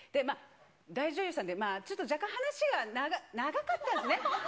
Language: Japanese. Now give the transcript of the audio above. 大女優さんで、若干、話が長かったんですね。